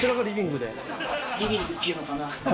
リビングっていうのかな。